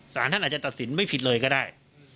สารท่านอาจจะตัดสินไม่ผิดเลยก็ได้